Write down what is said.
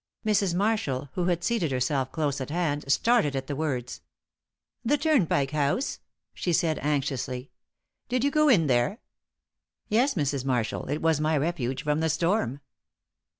Mrs. Marshall, who had seated herself close at hand, started at the words. "The Turnpike House!" she said, anxiously. "Did you go in there." "Yes, Mrs. Marshall. It was my refuge from the storm."